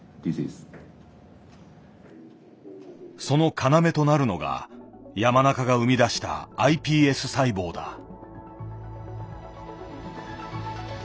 その要となるのが山中が生み出したｉＰＳ細胞だ。